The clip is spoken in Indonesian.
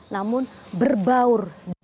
namun berbaur dengan berburu